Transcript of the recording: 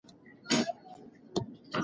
کار موندل تل اسانه نه وي.